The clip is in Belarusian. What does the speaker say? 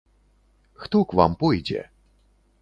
Хто к вам пойдзе!